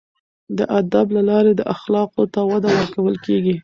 د ادب له لارې اخلاقو ته وده ورکول کیږي.